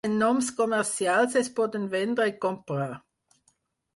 Els noms comercials es poden vendre i comprar.